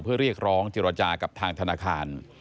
เพื่อเรียกร้องเจรจากับทางธนาคาร